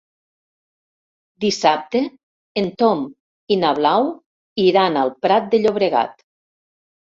Dissabte en Tom i na Blau iran al Prat de Llobregat.